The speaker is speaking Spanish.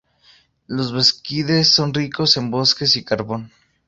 Los Beskides son ricos en bosques y carbón.